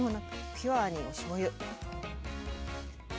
ピュアにおしょうゆ。